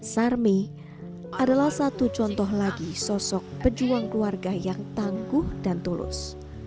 sarmi adalah satu contoh lagi sosok pejuang keluarga yang tangguh dan tulus